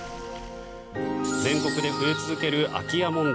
全国で増え続ける空き家問題。